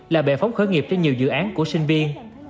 là bẻ phóng khởi nghiệp cho nhiều dự án của sinh viên